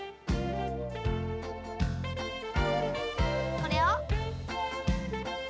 これを。